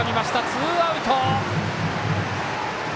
ツーアウト。